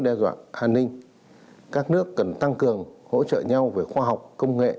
bây giờ nhà nước hỗ trợ nhà tôn